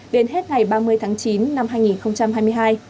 đến hết ngày ba mươi tháng chín năm hai nghìn hai mươi hai